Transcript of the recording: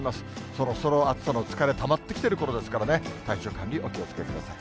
そろそろ暑さの疲れ、たまってきてるころですからね、体調管理、お気をつけください。